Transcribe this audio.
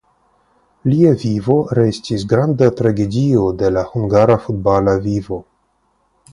Lia vivo restis granda tragedio de la hungara futbala vivo.